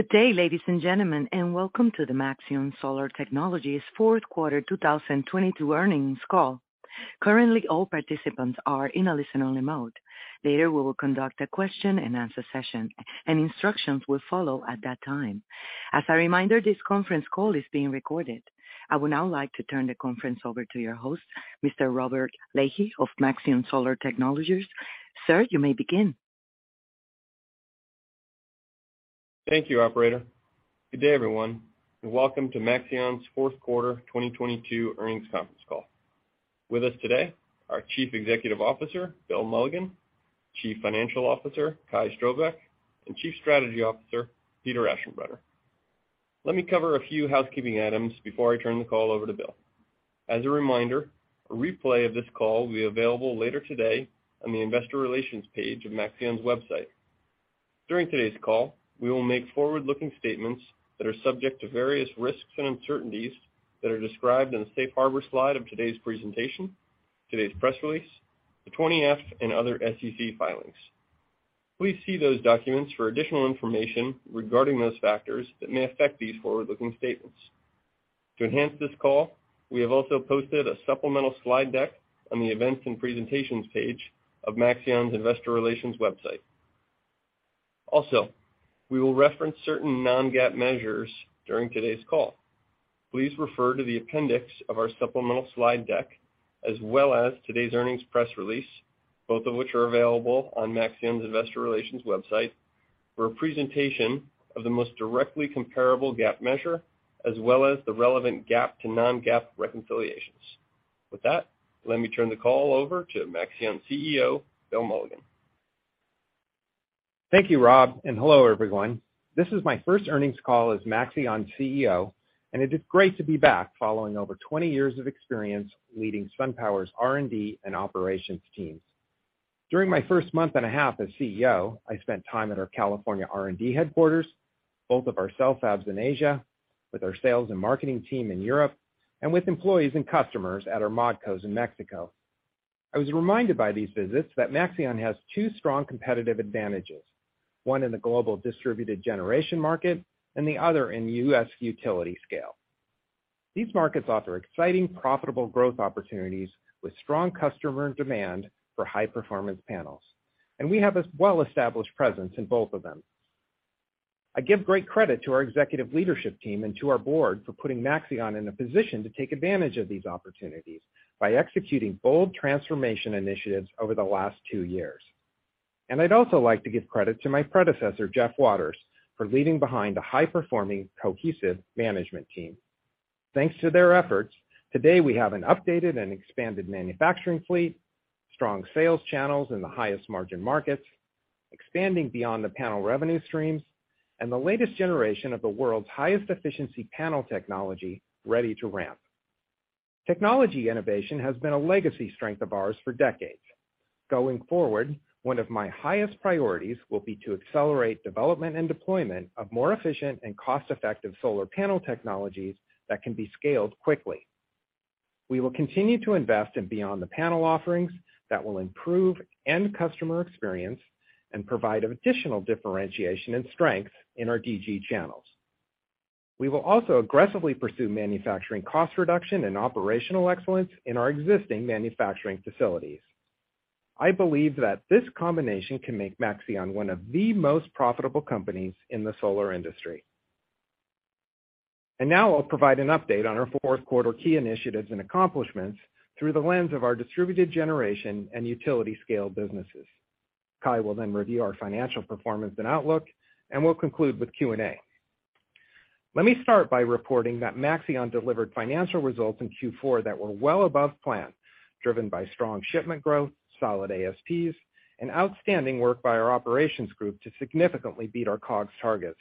Good day, ladies and gentlemen, and welcome to the Maxeon Solar Technologies fourth quarter 2022 earnings call. Currently, all participants are in a listen-only mode. Later, we will conduct a question-and-answer session, and instructions will follow at that time. As a reminder, this conference call is being recorded. I would now like to turn the conference over to your host, Mr. Robert Leahy of Maxeon Solar Technologies. Sir, you may begin. Thank you, operator. Good day, everyone, and welcome to Maxeon's fourth quarter 2022 earnings conference call. With us today, our Chief Executive Officer, Bill Mulligan, Chief Financial Officer, Kai Strohbecke, and Chief Strategy Officer, Peter Aschenbrenner. Let me cover a few housekeeping items before I turn the call over to Bill. As a reminder, a replay of this call will be available later today on the investor relations page of Maxeon's website. During today's call, we will make forward-looking statements that are subject to various risks and uncertainties that are described in the Safe Harbor slide of today's presentation, today's press release, the 20-F and other SEC filings. Please see those documents for additional information regarding those factors that may affect these forward-looking statements. To enhance this call, we have also posted a supplemental slide deck on the events and presentations page of Maxeon's investor relations website. Also, we will reference certain non-GAAP measures during today's call. Please refer to the appendix of our supplemental slide deck as well as today's earnings press release, both of which are available on Maxeon's investor relations website, for a presentation of the most directly comparable GAAP measure as well as the relevant GAAP to non-GAAP reconciliations. With that, let me turn the call over to Maxeon CEO, Bill Mulligan. Thank you, Rob. Hello, everyone. This is my first earnings call as Maxeon's CEO. It is great to be back following over 20 years of experience leading SunPower's R&D and operations teams. During my first month and a half as CEO, I spent time at our California R&D headquarters, both of our cell fabs in Asia, with our sales and marketing team in Europe, and with employees and customers at our Modco in Mexico. I was reminded by these visits that Maxeon has two strong competitive advantages, one in the global distributed generation market and the other in U.S. utility-scale. These markets offer exciting, profitable growth opportunities with strong customer demand for high-performance panels. We have a well-established presence in both of them. I give great credit to our executive leadership team and to our board for putting Maxeon in a position to take advantage of these opportunities by executing bold transformation initiatives over the last two years. I'd also like to give credit to my predecessor, Jeff Waters, for leaving behind a high-performing, cohesive management team. Thanks to their efforts, today we have an updated and expanded manufacturing fleet, strong sales channels in the highest margin markets, expanding Beyond the Panel revenue streams, and the latest generation of the world's highest efficiency panel technology ready to ramp. Technology innovation has been a legacy strength of ours for decades. Going forward, one of my highest priorities will be to accelerate development and deployment of more efficient and cost-effective solar panel technologies that can be scaled quickly. We will continue to invest in Beyond the Panel offerings that will improve end customer experience and provide additional differentiation and strength in our DG channels. We will also aggressively pursue manufacturing cost reduction and operational excellence in our existing manufacturing facilities. I believe that this combination can make Maxeon one of the most profitable companies in the solar industry. Now I'll provide an update on our fourth quarter key initiatives and accomplishments through the lens of our distributed generation and utility-scale businesses. Kai will then review our financial performance and outlook, and we'll conclude with Q&A. Let me start by reporting that Maxeon delivered financial results in Q4 that were well above plan, driven by strong shipment growth, solid ASPs, and outstanding work by our operations group to significantly beat our COGS targets.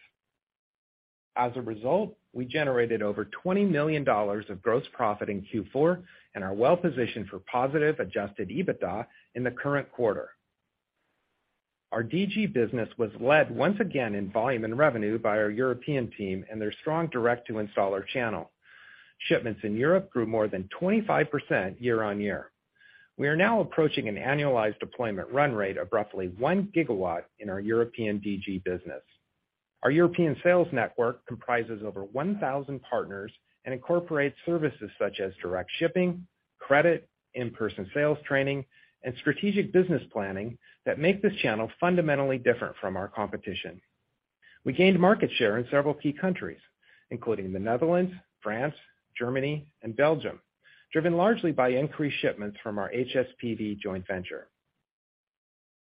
As a result, we generated over $20 million of gross profit in Q4 and are well positioned for positive adjusted EBITDA in the current quarter. Our DG business was led once again in volume and revenue by our European team and their strong direct-to-installer channel. Shipments in Europe grew more than 25% year-over-year. We are now approaching an annualized deployment run rate of roughly 1 GW in our European DG business. Our European sales network comprises over 1,000 partners and incorporates services such as direct shipping, credit, in-person sales training, and strategic business planning that make this channel fundamentally different from our competition. We gained market share in several key countries, including the Netherlands, France, Germany, and Belgium, driven largely by increased shipments from our HSPV joint venture.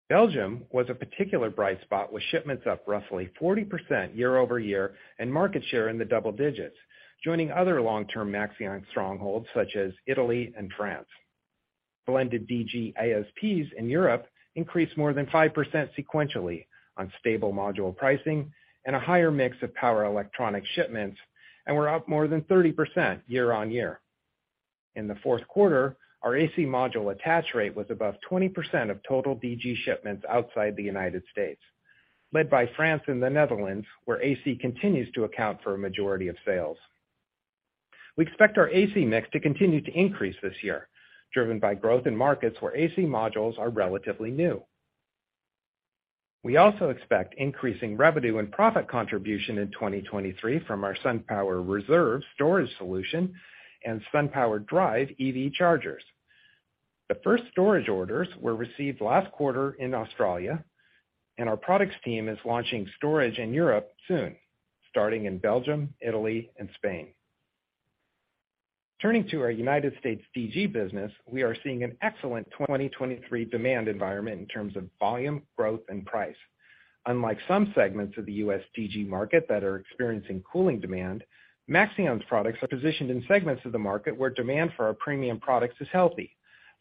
Belgium was a particular bright spot with shipments up roughly 40% year-over-year and market share in the double digits, joining other long-term Maxeon's strongholds such as Italy and France. Blended DG ASPs in Europe increased more than 5% sequentially on stable module pricing and a higher mix of power electronic shipments and were up more than 30% year-on-year. In the fourth quarter, our AC module attach rate was above 20% of total DG shipments outside the United States, led by France and the Netherlands, where AC continues to account for a majority of sales. We expect our AC mix to continue to increase this year, driven by growth in markets where AC modules are relatively new. We also expect increasing revenue and profit contribution in 2023 from our SunPower Reserve storage solution and SunPower Drive EV chargers. The first storage orders were received last quarter in Australia. Our products team is launching storage in Europe soon, starting in Belgium, Italy and Spain. Turning to our United States DG business, we are seeing an excellent 2023 demand environment in terms of volume, growth and price. Unlike some segments of the U.S. DG market that are experiencing cooling demand, Maxeon's products are positioned in segments of the market where demand for our premium products is healthy,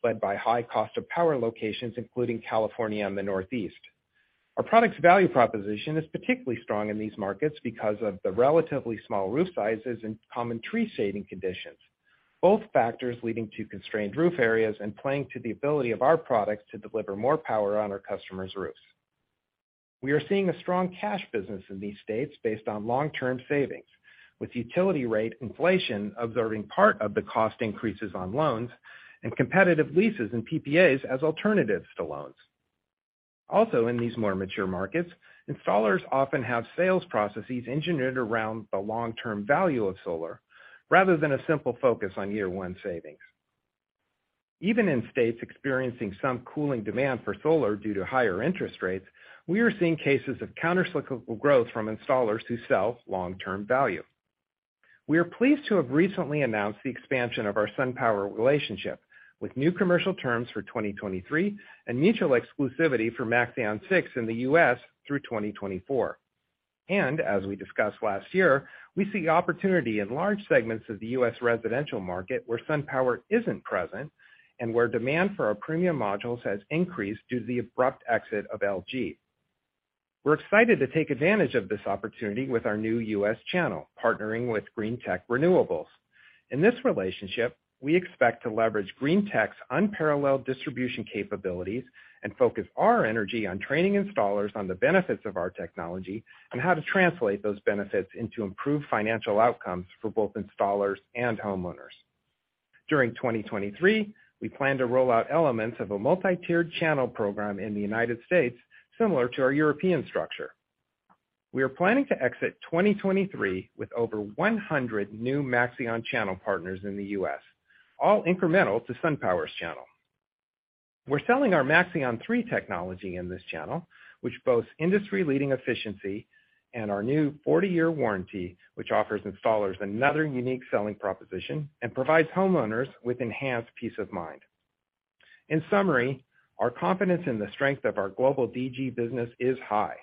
led by high cost of power locations, including California and the Northeast. Our product's value proposition is particularly strong in these markets because of the relatively small roof sizes and common tree shading conditions, both factors leading to constrained roof areas and playing to the ability of our products to deliver more power on our customers' roofs. We are seeing a strong cash business in these states based on long-term savings, with utility rate inflation absorbing part of the cost increases on loans and competitive leases and PPAs as alternatives to loans. Also in these more mature markets, installers often have sales processes engineered around the long-term value of solar rather than a simple focus on year one savings. Even in states experiencing some cooling demand for solar due to higher interest rates, we are seeing cases of countercyclical growth from installers who sell long-term value. We are pleased to have recently announced the expansion of our SunPower relationship with new commercial terms for 2023 and mutual exclusivity for Maxeon 6 in the U.S. through 2024. As we discussed last year, we see opportunity in large segments of the U.S. residential market where SunPower isn't present and where demand for our premium modules has increased due to the abrupt exit of LG. We're excited to take advantage of this opportunity with our new U.S. channel, partnering with Greentech Renewables. In this relationship, we expect to leverage Green Tech's unparalleled distribution capabilities and focus our energy on training installers on the benefits of our technology and how to translate those benefits into improved financial outcomes for both installers and homeowners. During 2023, we plan to roll out elements of a multi-tiered channel program in the United States, similar to our European structure. We are planning to exit 2023 with over 100 new Maxeon channel partners in the U.S., all incremental to SunPower's channel. We're selling our Maxeon 3 technology in this channel, which boasts industry-leading efficiency and our new 40-year warranty, which offers installers another unique selling proposition and provides homeowners with enhanced peace of mind. In summary, our confidence in the strength of our global DG business is high.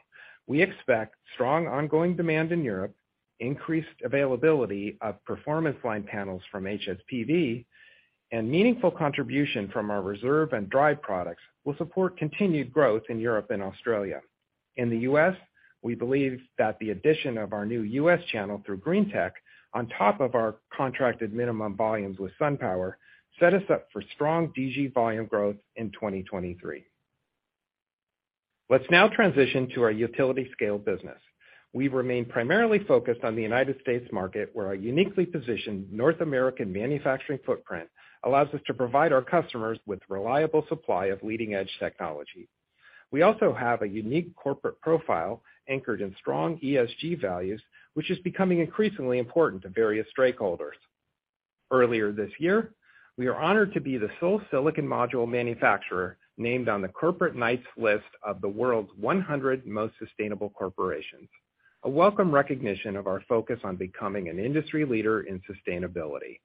We expect strong ongoing demand in Europe, increased availability of Performance Line panels from HSPV, and meaningful contribution from our Reserve and Drive products will support continued growth in Europe and Australia. In the U.S., we believe that the addition of our new US channel through Green Tech, on top of our contracted minimum volumes with SunPower, set us up for strong DG volume growth in 2023. Let's now transition to our utility-scale business. We remain primarily focused on the United States market, where our uniquely positioned North American manufacturing footprint allows us to provide our customers with reliable supply of leading-edge technology. We also have a unique corporate profile anchored in strong ESG values, which is becoming increasingly important to various stakeholders. Earlier this year, we are honored to be the sole silicon module manufacturer named on the Corporate Knights list of the World's 100 Most Sustainable Corporations, a welcome recognition of our focus on becoming an industry leader in sustainability.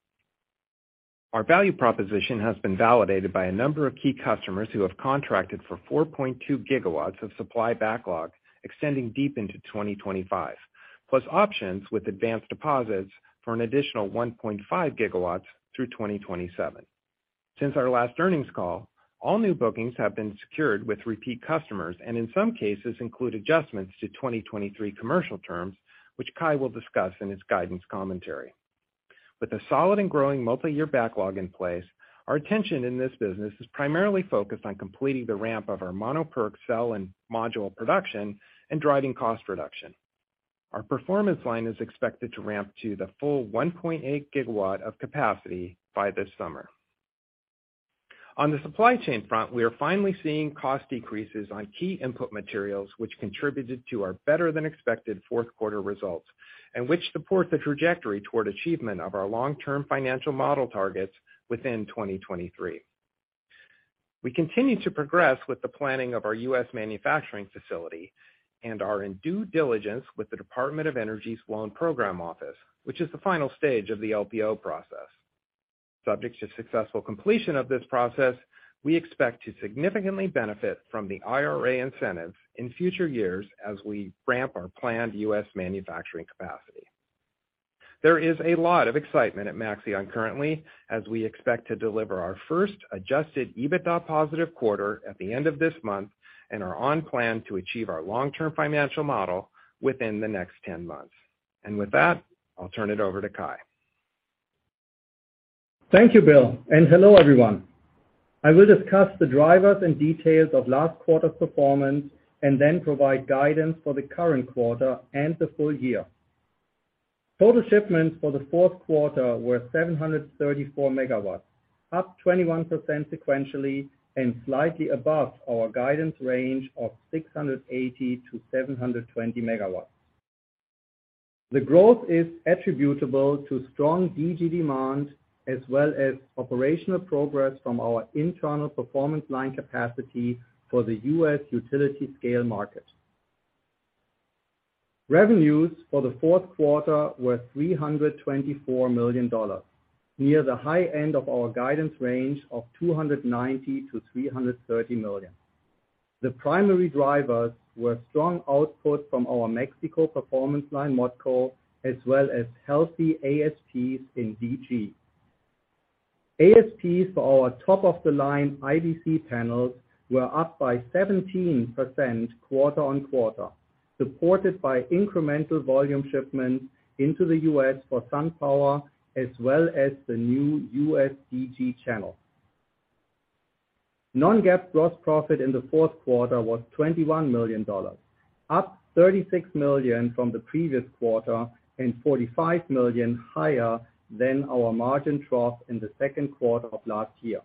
Our value proposition has been validated by a number of key customers who have contracted for 4.2 GW of supply backlog extending deep into 2025, plus options with advanced deposits for an additional 1.5 GW through 2027. Since our last earnings call, all new bookings have been secured with repeat customers, and in some cases include adjustments to 2023 commercial terms, which Kai will discuss in his guidance commentary. With a solid and growing multi-year backlog in place, our attention in this business is primarily focused on completing the ramp of our mono-PERC cell and module production and driving cost reduction. Our Performance Line is expected to ramp to the full 1.8 GW of capacity by this summer. On the supply chain front, we are finally seeing cost decreases on key input materials which contributed to our better than expected fourth quarter results and which support the trajectory toward achievement of our long-term financial model targets within 2023. We continue to progress with the planning of our U.S. manufacturing facility and are in due diligence with the Department of Energy's Loan Programs Office, which is the final stage of the LPO process. Subject to successful completion of this process, we expect to significantly benefit from the IRA incentives in future years as we ramp our planned U.S. manufacturing capacity. There is a lot of excitement at Maxeon currently as we expect to deliver our first adjusted EBITDA positive quarter at the end of this month and are on plan to achieve our long-term financial model within the next ten months. With that, I'll turn it over to Kai. Thank you, Bill. Hello, everyone. I will discuss the drivers and details of last quarter's performance, then provide guidance for the current quarter and the full year. Total shipments for the fourth quarter were 734 megawatts, up 21% sequentially, slightly above our guidance range of 680-720 megawatts. The growth is attributable to strong DG demand, as well as operational progress from our internal Performance Line capacity for the U.S. utility-scale market. Revenues for the fourth quarter were $324 million, near the high end of our guidance range of $290 million-$330 million. The primary drivers were strong output from our Maxeon Performance Line Modco, as well as healthy ASPs in DG. ASPs for our top of the line IBC panels were up by 17% quarter-on-quarter, supported by incremental volume shipments into the U.S. for SunPower, as well as the new U.S. DG channel. Non-GAAP gross profit in the fourth quarter was $21 million, up $36 million from the previous quarter, and $45 million higher than our margin trough in the second quarter of last year.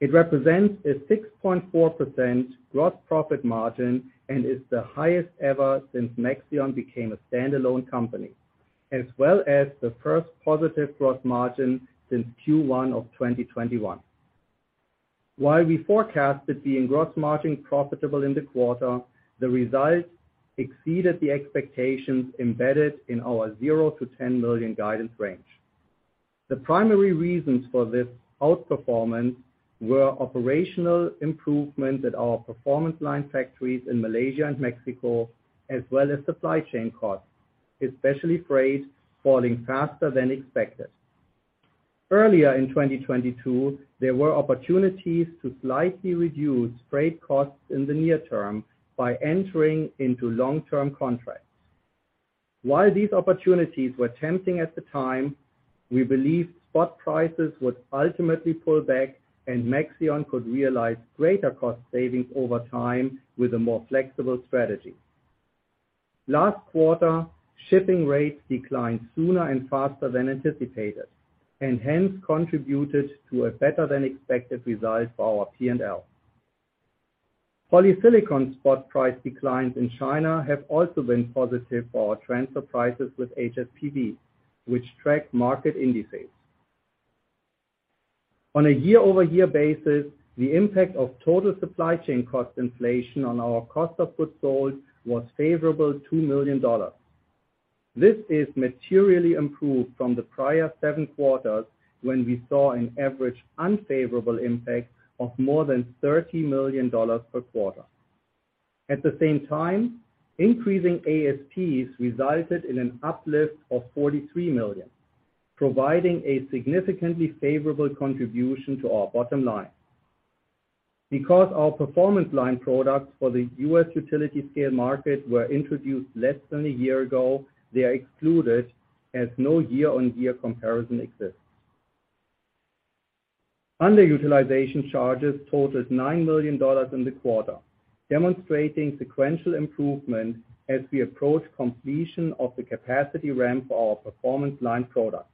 It represents a 6.4% gross profit margin, and is the highest ever since Maxeon became a stand-alone company, as well as the first positive gross margin since Q1 of 2021. We forecasted being gross margin profitable in the quarter, the results exceeded the expectations embedded in our $0-$10 million guidance range. The primary reasons for this outperformance were operational improvements at our Performance Line factories in Malaysia and Mexico, as well as supply chain costs, especially freight, falling faster than expected. Earlier in 2022, there were opportunities to slightly reduce freight costs in the near term by entering into long-term contracts. While these opportunities were tempting at the time, we believed spot prices would ultimately pull back, and Maxeon could realize greater cost savings over time with a more flexible strategy. Last quarter, shipping rates declined sooner and faster than anticipated, and hence contributed to a better than expected result for our P&L. Polysilicon spot price declines in China have also been positive for our transfer prices with HSPV, which track market indices. On a year-over-year basis, the impact of total supply chain cost inflation on our cost of goods sold was favorable $2 million. This is materially improved from the prior seven quarters when we saw an average unfavorable impact of more than $30 million per quarter. Increasing ASPs resulted in an uplift of $43 million, providing a significantly favorable contribution to our bottom line. Our Performance Line products for the U.S. utility-scale market were introduced less than a year ago, they are excluded as no year-over-year comparison exists. Underutilization charges totaled $9 million in the quarter, demonstrating sequential improvement as we approach completion of the capacity ramp for our Performance Line products.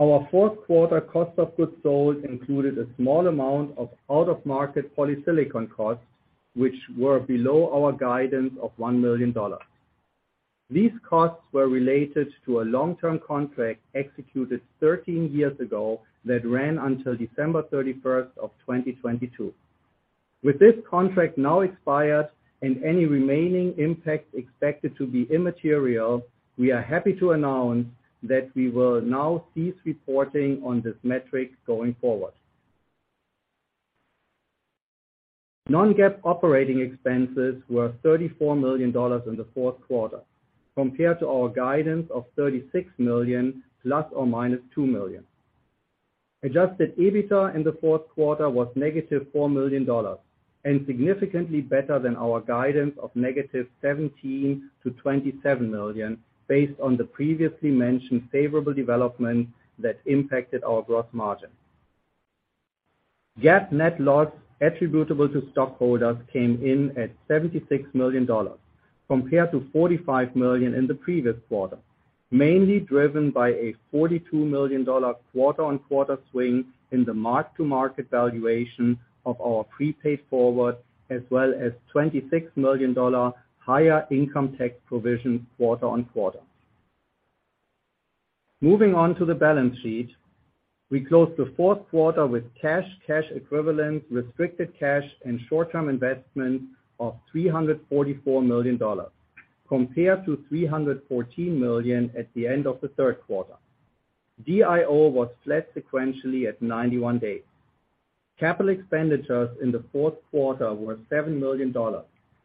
Our fourth quarter COGS included a small amount of out-of-market polysilicon costs, which were below our guidance of $1 million. These costs were related to a long-term contract executed 13 years ago that ran until December 31st, 2022. With this contract now expired and any remaining impact expected to be immaterial, we are happy to announce that we will now cease reporting on this metric going forward. Non-GAAP operating expenses were $34 million in the fourth quarter, compared to our guidance of $36 million, ±$2 million. Adjusted EBITDA in the fourth quarter was -$4 million, significantly better than our guidance of -$17 million - -$27 million, based on the previously mentioned favorable development that impacted our gross margin. GAAP net loss attributable to stockholders came in at $76 million, compared to $45 million in the previous quarter, mainly driven by a $42 million quarter-on-quarter swing in the mark-to-market valuation of our prepaid forward, as well as $26 million higher income tax provision quarter-on-quarter. Moving on to the balance sheet. We closed the fourth quarter with cash equivalents, restricted cash, and short-term investments of $344 million, compared to $314 million at the end of the third quarter. DIO was flat sequentially at 91 days. Capital expenditures in the fourth quarter were $7 million,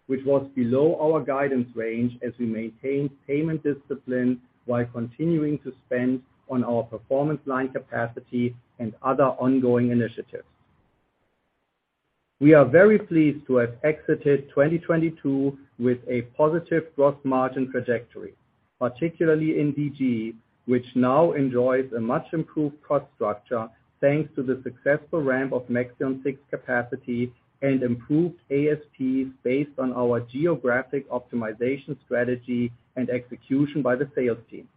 which was below our guidance range as we maintained payment discipline while continuing to spend on our Performance Line capacity and other ongoing initiatives. We are very pleased to have exited 2022 with a positive gross margin trajectory, particularly in DG, which now enjoys a much improved cost structure thanks to the successful ramp of Maxeon 6 capacity and improved ASPs based on our geographic optimization strategy and execution by the sales team.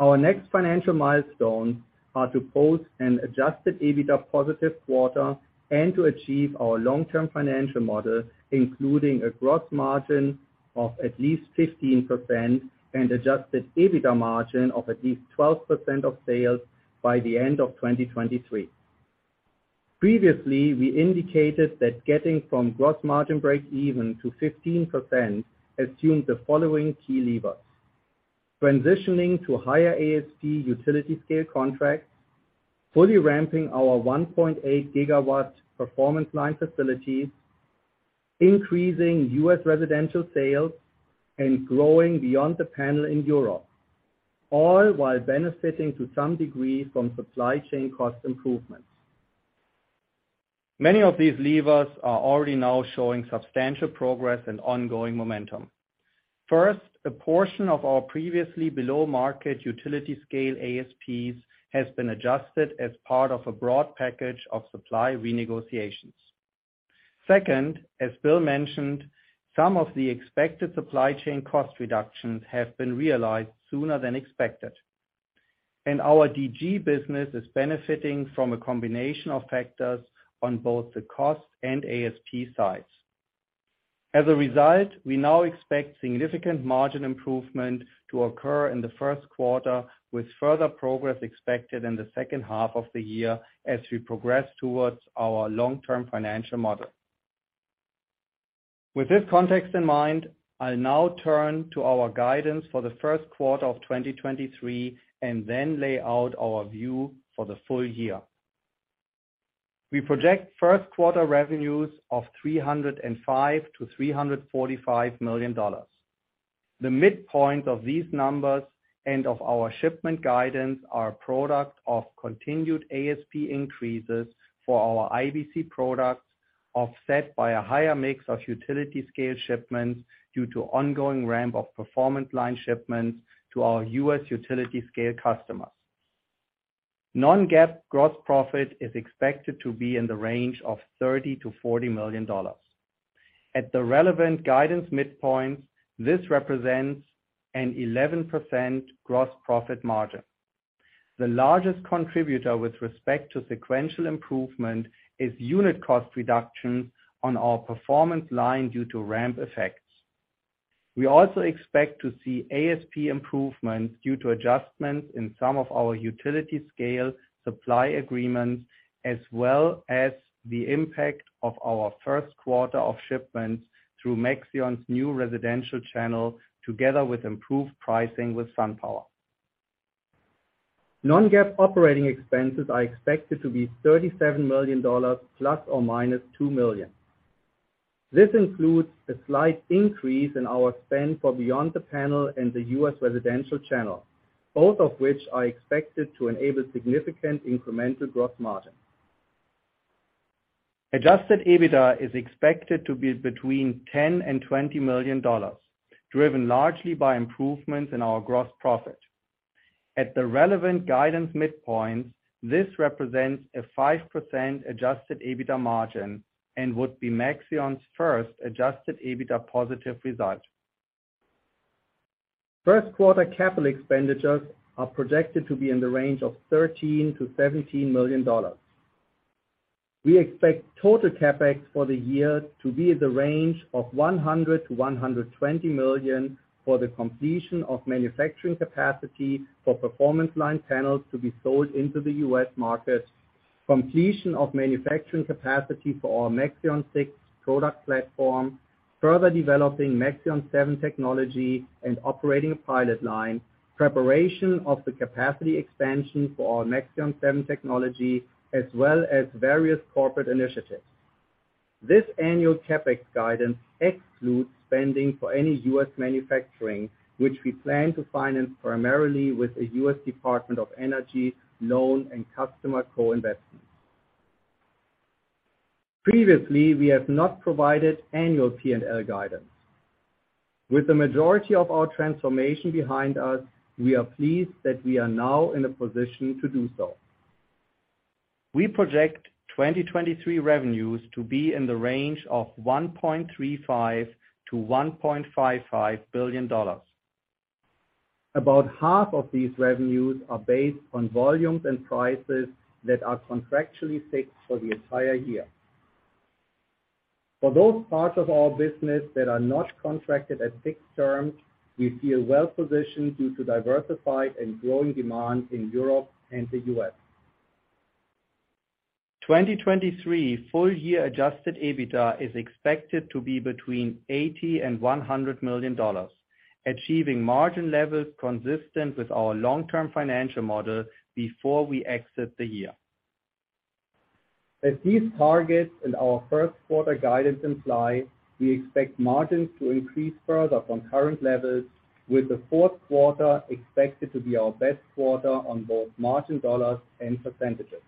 Our next financial milestones are to post an adjusted EBITDA positive quarter and to achieve our long-term financial model, including a gross margin of at least 15% and adjusted EBITDA margin of at least 12% of sales by the end of 2023. Previously, we indicated that getting from gross margin break-even to 15% assumes the following key levers. Transitioning to higher ASP utility-scale contracts, fully ramping our 1.8 GW Performance Line facilities, increasing U.S. residential sales, and growing Beyond the Panel in Europe, all while benefiting to some degree from supply chain cost improvements. Many of these levers are already now showing substantial progress and ongoing momentum. First, a portion of our previously below-market utility-scale ASPs has been adjusted as part of a broad package of supply renegotiations. Second, as Bill mentioned, some of the expected supply chain cost reductions have been realized sooner than expected, and our DG business is benefiting from a combination of factors on both the cost and ASP sides. As a result, we now expect significant margin improvement to occur in the first quarter, with further progress expected in the second half of the year as we progress towards our long-term financial model. With this context in mind, I'll now turn to our guidance for the first quarter of 2023, and then lay out our view for the full year. We project first quarter revenues of $305 million-$345 million. The midpoint of these numbers and of our shipment guidance are a product of continued ASP increases for our IBC products, offset by a higher mix of utility-scale shipments due to ongoing ramp of Performance Line shipments to our U.S. utility-scale customers. Non-GAAP gross profit is expected to be in the range of $30 million-$40 million. At the relevant guidance midpoints, this represents an 11% gross profit margin. The largest contributor with respect to sequential improvement is unit cost reductions on our Performance Line due to ramp effects. We also expect to see ASP improvements due to adjustments in some of our utility-scale supply agreements, as well as the impact of our first quarter of shipments through Maxeon's new residential channel, together with improved pricing with SunPower. Non-GAAP operating expenses are expected to be $37 million ±$2 million. This includes a slight increase in our spend for Beyond the Panel and the U.S. residential channel, both of which are expected to enable significant incremental gross margin. Adjusted EBITDA is expected to be between $10 million and $20 million, driven largely by improvements in our gross profit. At the relevant guidance midpoint, this represents a 5% adjusted EBITDA margin and would be Maxeon's first adjusted EBITDA positive result. First quarter capital expenditures are projected to be in the range of $13 million-$17 million. We expect total CapEx for the year to be in the range of $100 million-$120 million for the completion of manufacturing capacity for Performance Line panels to be sold into the U.S. market, completion of manufacturing capacity for our Maxeon 6 product platform, further developing Maxeon 7 technology and operating a pilot line, preparation of the capacity expansion for our Maxeon 7 technology, as well as various corporate initiatives. This annual CapEx guidance excludes spending for any U.S. manufacturing, which we plan to finance primarily with a U.S. Department of Energy loan and customer co-investment. Previously, we have not provided annual P&L guidance. With the majority of our transformation behind us, we are pleased that we are now in a position to do so. We project 2023 revenues to be in the range of $1.35 billion-$1.55 billion. About half of these revenues are based on volumes and prices that are contractually fixed for the entire year. For those parts of our business that are not contracted at fixed terms, we feel well positioned due to diversified and growing demand in Europe and the U.S. 2023 full year adjusted EBITDA is expected to be between $80 million and $100 million, achieving margin levels consistent with our long-term financial model before we exit the year. As these targets and our first quarter guidance imply, we expect margins to increase further from current levels, with the fourth quarter expected to be our best quarter on both margin dollars and percentages.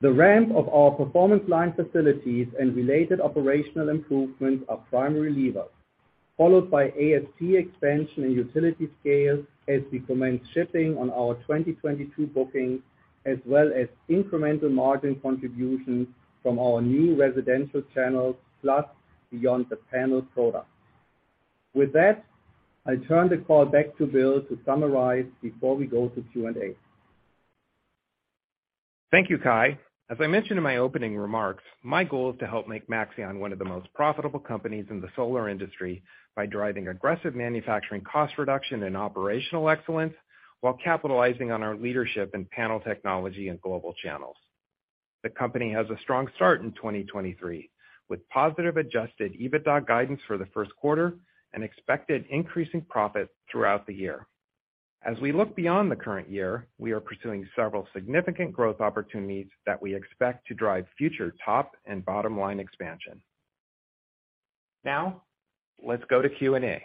The ramp of our Performance Line facilities and related operational improvements are primary levers, followed by ASP expansion and utility-scale as we commence shipping on our 2022 bookings, as well as incremental margin contributions from our new residential channels, plus Beyond the Panel products. With that, I turn the call back to Bill to summarize before we go to Q&A. Thank you, Kai. As I mentioned in my opening remarks, my goal is to help make Maxeon one of the most profitable companies in the solar industry by driving aggressive manufacturing cost reduction and operational excellence while capitalizing on our leadership in panel technology and global channels. The company has a strong start in 2023, with positive adjusted EBITDA guidance for the first quarter and expected increasing profit throughout the year. As we look beyond the current year, we are pursuing several significant growth opportunities that we expect to drive future top and bottom-line expansion. Now, let's go to Q&A.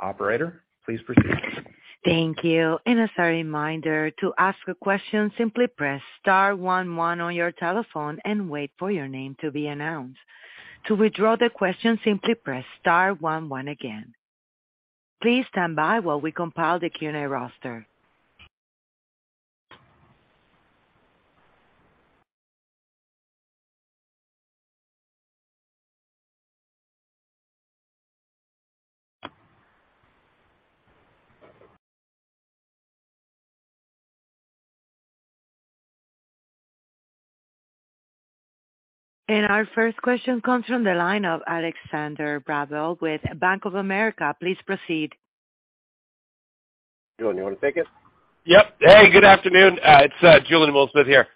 Operator, please proceed. Thank you. As a reminder, to ask a question, simply press star one one on your telephone and wait for your name to be announced. To withdraw the question, simply press star one one again. Please stand by while we compile the Q&A roster. Our first question comes from the line of Alexander Bravo with Bank of America. Please proceed. Julien, you wanna take it? Yep. Hey, good afternoon. It's Julien Dumoulin-Smith here.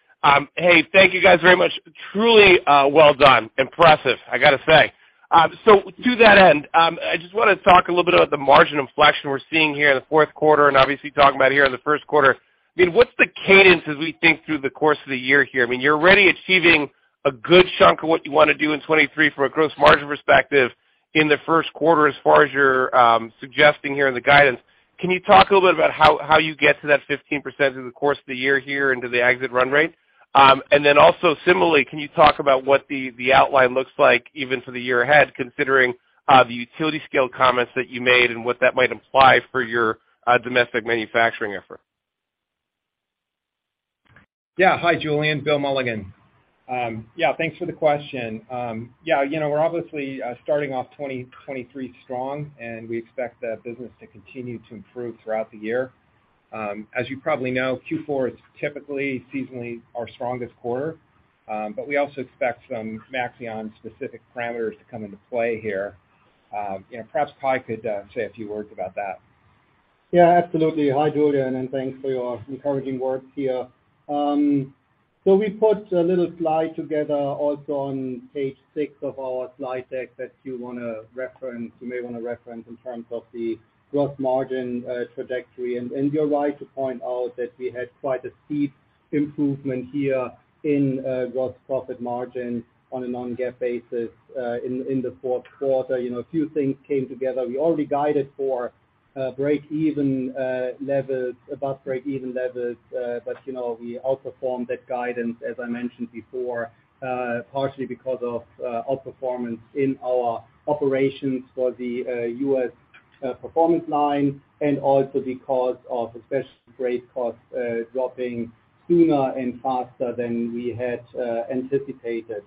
Hey, thank you guys very much. Truly, well done. Impressive, I gotta say. To that end, I just wanna talk a little bit about the margin inflection we're seeing here in the fourth quarter, and obviously talking about here in the first quarter. I mean, what's the cadence as we think through the course of the year here? I mean, you're already achieving a good chunk of what you wanna do in 2023 from a gross margin perspective in the first quarter, as far as you're suggesting here in the guidance. Can you talk a little bit about how you get to that 15% through the course of the year here into the exit run rate? Similarly, can you talk about what the outline looks like even for the year ahead, considering, the utility-scale comments that you made and what that might imply for your domestic manufacturing effort? Yeah. Hi, Julien. Bill Mulligan. Yeah, thanks for the question. Yeah, you know, we're obviously starting off 2023 strong. We expect the business to continue to improve throughout the year. As you probably know, Q4 is typically seasonally our strongest quarter. We also expect some Maxeon specific parameters to come into play here. You know, perhaps Kai could say a few words about that. Yeah, absolutely. Hi, Julien, and thanks for your encouraging words here. We put a little slide together also on page six of our slide deck that you wanna reference, you may wanna reference in terms of the gross margin trajectory. You're right to point out that we had quite a steep improvement here in gross profit margin on a non-GAAP basis in the fourth quarter. You know, a few things came together. We already guided for break-even levels, above break-even levels. You know, we outperformed that guidance, as I mentioned before, partially because of outperformance in our operations for the U.S. Performance Line and also because of especially great costs dropping sooner and faster than we had anticipated.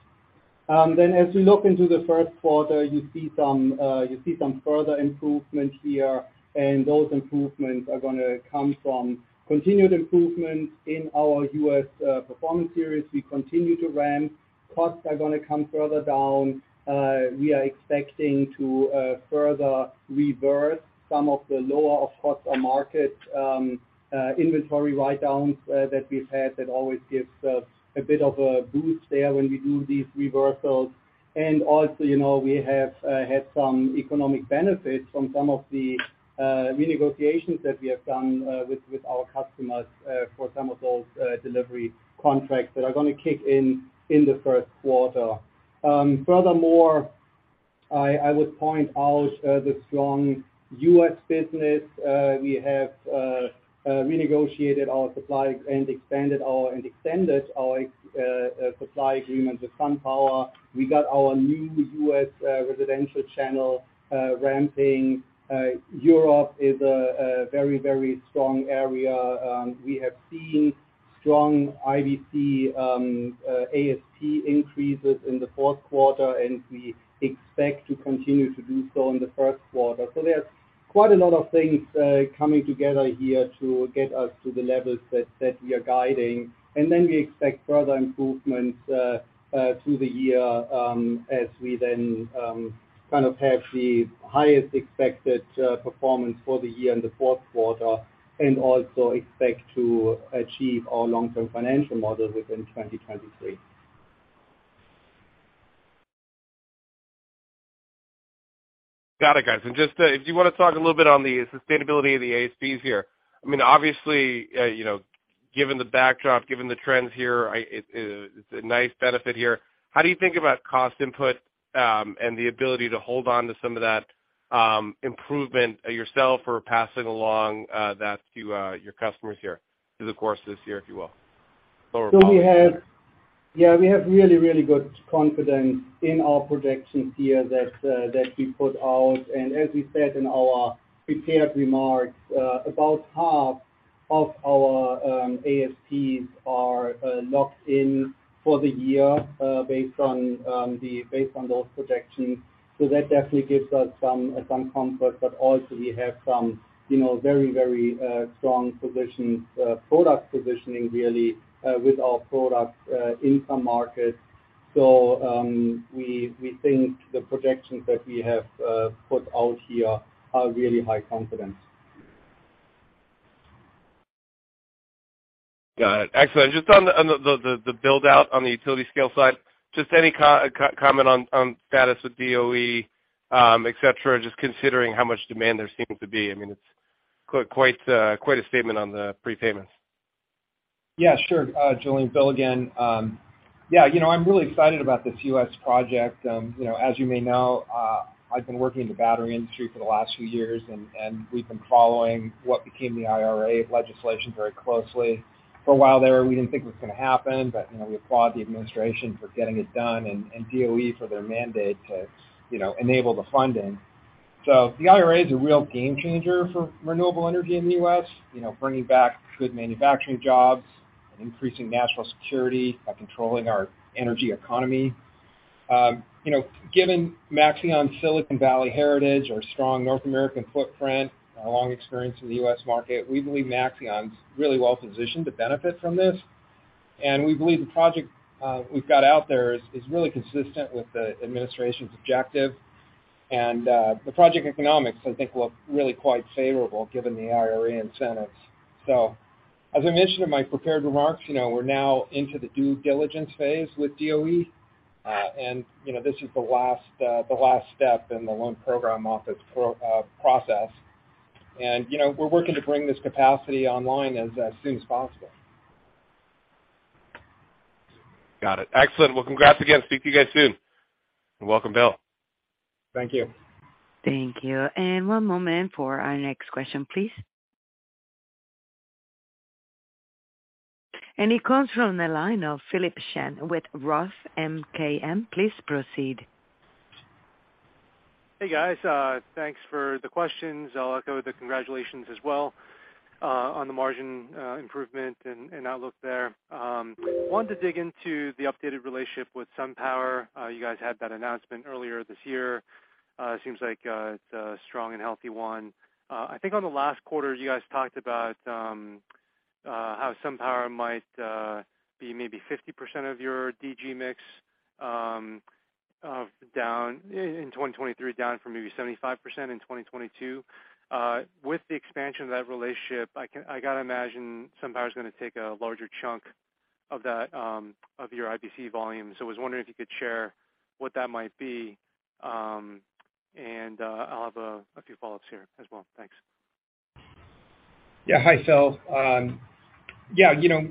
As we look into the first quarter, you see some further improvement here. Those improvements are gonna come from continued improvements in our U.S. Performance Line. We continue to ramp. Costs are gonna come further down. We are expecting to further reverse some of the lower of cost or market inventory write-downs that we've had. That always gives a bit of a boost there when we do these reversals. You know, we have had some economic benefits from some of the renegotiations that we have done with our customers for some of those delivery contracts that are gonna kick in in the first quarter. Furthermore, I would point out the strong U.S. business. We have renegotiated our supply and extended our supply agreement with SunPower. We got our new U.S. residential channel ramping. Europe is a very strong area. We have seen strong IBC ASP increases in the fourth quarter, and we expect to continue to do so in the first quarter. There's quite a lot of things coming together here to get us to the levels that we are guiding. We expect further improvements through the year, as we then kind of have the highest expected performance for the year in the fourth quarter, and also expect to achieve our long-term financial models within 2023. Got it, guys. Just, if you wanna talk a little bit on the sustainability of the ASPs here. I mean, obviously, you know, given the backdrop, given the trends here, it's a nice benefit here. How do you think about cost input, and the ability to hold on to some of that improvement yourself or passing along, that to, your customers here through the course of this year, if you will? We have yeah, we have really, really good confidence in our projections here that we put out. As we said in our prepared remarks, about half of our ASPs are locked in for the year, based on those projections. That definitely gives us some comfort, but also we have some, you know, very, very strong position, product positioning really, with our products, in some markets. We think the projections that we have put out here are really high confidence. Got it. Excellent. Just on the build-out on the utility-scale side, just any comment on status with DOE, et cetera, just considering how much demand there seems to be. I mean, it's quite a statement on the prepayments. Sure. Julien, Bill again. You know, I'm really excited about this U.S. project. You know, as you may know, I've been working in the battery industry for the last few years and we've been following what became the IRA legislation very closely. For a while there, we didn't think it was gonna happen, but, you know, we applaud the administration for getting it done and DOE for their mandate to, you know, enable the funding. The IRA is a real game changer for renewable energy in the U.S., you know, bringing back good manufacturing jobs and increasing national security by controlling our energy economy. You know, given Maxeon's Silicon Valley heritage, our strong North American footprint, our long experience in the U.S. market, we believe Maxeon's really well positioned to benefit from this. We believe the project we've got out there is really consistent with the administration's objective. The project economics I think look really quite favorable given the IRA incentives. As I mentioned in my prepared remarks, you know, we're now into the due diligence phase with DOE. This is the last step in the Loan Programs Office process. We're working to bring this capacity online as soon as possible. Got it. Excellent. Well, congrats again. Speak to you guys soon. Welcome, Bill. Thank you. Thank you. One moment for our next question, please. It comes from the line of Philip Shen with Roth MKM. Please proceed. Hey, guys. Thanks for the questions. I'll echo the congratulations as well, on the margin improvement and outlook there. Wanted to dig into the updated relationship with SunPower. You guys had that announcement earlier this year. Seems like it's a strong and healthy one. I think on the last quarter you guys talked about how SunPower might be maybe 50% of your DG mix in 2023, down from maybe 75% in 2022. With the expansion of that relationship, I gotta imagine SunPower's gonna take a larger chunk of that of your IBC volume. I was wondering if you could share what that might be. I'll have a few follow-ups here as well. Thanks. Yeah. Hi, Phil. Yeah, you know,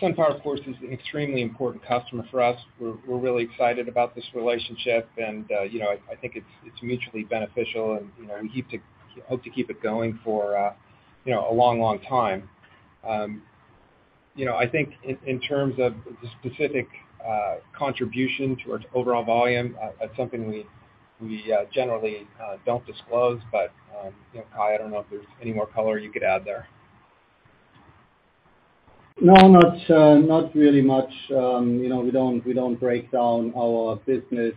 SunPower, of course, is an extremely important customer for us. We're really excited about this relationship and, you know, I think it's mutually beneficial and, you know, we hope to keep it going for, you know, a long, long time. You know, I think in terms of the specific contribution to our overall volume, that's something we generally don't disclose. You know, Kai, I don't know if there's any more color you could add there. No, not really much. You know, we don't, we don't break down our business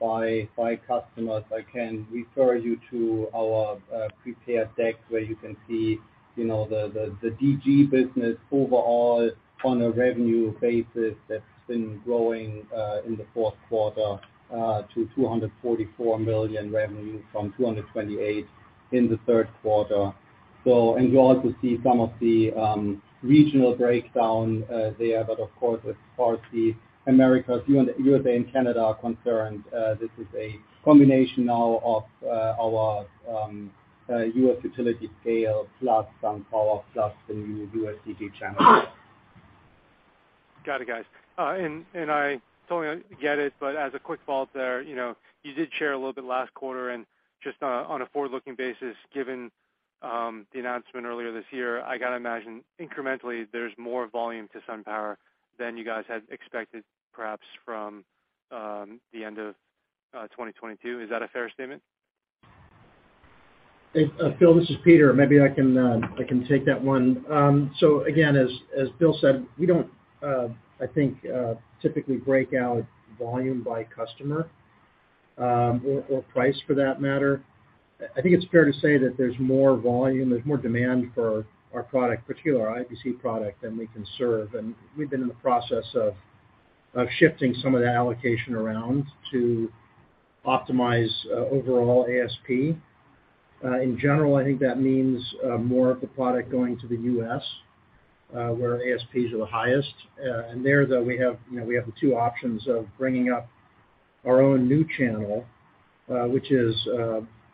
by customers. I can refer you to our prepared deck where you can see, you know, the DG business overall on a revenue basis that's been growing in the fourth quarter to $244 million revenue from $228 in the third quarter. And you also see some of the regional breakdown there, but of course as far as the Americas, USA and Canada are concerned, this is a combination now of our U.S. utility-scale plus SunPower plus the new U.S. DG channel. Got it, guys. And I totally get it, but as a quick follow-up there, you know, you did share a little bit last quarter and just on a forward-looking basis, given the announcement earlier this year, I gotta imagine incrementally there's more volume to SunPower than you guys had expected perhaps from the end of 2022. Is that a fair statement? Hey, Philip, this is Peter. Maybe I can take that one. Again, as Bill said, we don't, I think, typically break out volume by customer, or price for that matter. I think it's fair to say that there's more volume, there's more demand for our product, particularly our IBC product, than we can serve. We've been in the process of shifting some of that allocation around to optimize overall ASP. In general, I think that means more of the product going to the U.S., where ASPs are the highest. There, though, we have, you know, we have the two options of bringing up our own new channel, which is,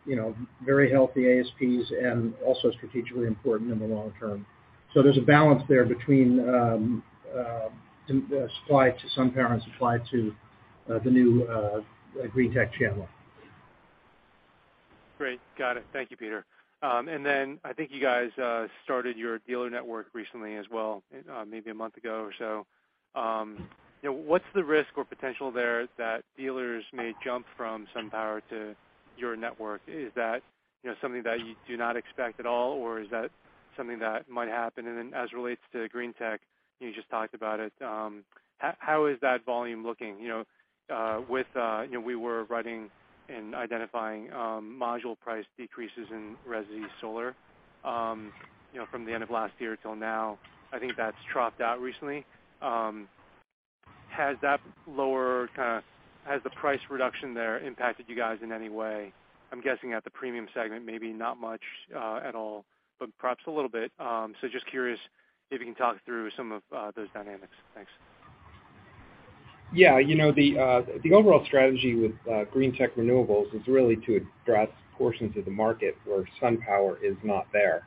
you know, very healthy ASPs and also strategically important in the long term. There's a balance there between. To supply to SunPower and supply to the new Green Tech channel. Great. Got it. Thank you, Peter. Then I think you guys started your dealer network recently as well, maybe a month ago or so. You know, what's the risk or potential there that dealers may jump from SunPower to your network? Is that, you know, something that you do not expect at all, or is that something that might happen? Then as it relates to Green Tech, you just talked about it, how is that volume looking? You know, with You know, we were writing and identifying module price decreases in resi solar, you know, from the end of last year till now. I think that's dropped out recently. Has the price reduction there impacted you guys in any way? I'm guessing at the premium segment, maybe not much, at all, but perhaps a little bit. Just curious if you can talk through some of those dynamics. Thanks. You know, the overall strategy with Green Tech Renewables is really to address portions of the market where SunPower is not there.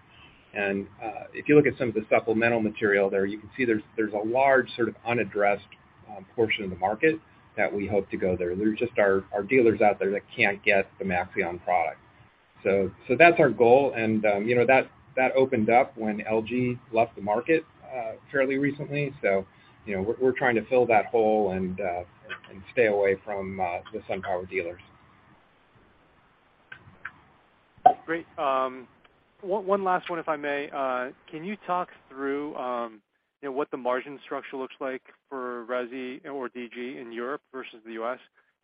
If you look at some of the supplemental material there, you can see there's a large sort of unaddressed portion of the market that we hope to go there. There's just our dealers out there that can't get the Maxeon product. That's our goal, you know, that opened up when LG left the market fairly recently. You know, we're trying to fill that hole and stay away from the SunPower dealers. Great. One last one, if I may. Can you talk through what the margin structure looks like for resi or DG in Europe versus the U.S.?